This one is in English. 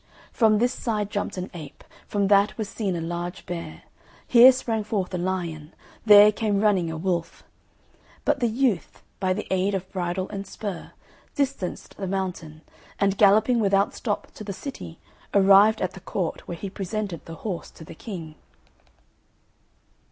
From this side jumped an ape, from that was seen a large bear; here sprang forth a lion, there came running a wolf. But the youth, by the aid of bridle and spur, distanced the mountain, and galloping without stop to the city, arrived at the Court, where he presented the horse to the King.